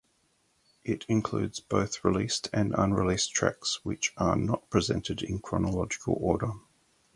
It includes both released and unreleased tracks, which are not presented in chronological order.